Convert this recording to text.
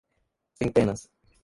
Centenas.